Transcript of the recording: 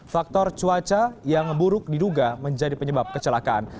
faktor cuaca yang buruk diduga menjadi penyebab kecelakaan